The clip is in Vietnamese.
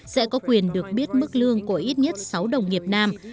sẽ có quyền được biết mức lương của ít nhất sáu đồng nghiệp nam